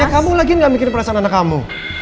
ya kamu lagi gak mikir perasaan anak kamu